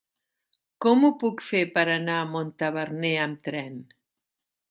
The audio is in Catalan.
Com ho puc fer per anar a Montaverner amb tren?